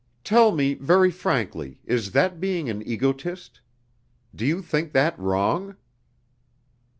Tell me very frankly, is that being an egotist? Do you think that wrong?"